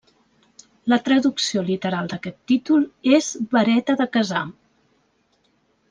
La traducció literal d'aquest títol és 'vareta de casar'.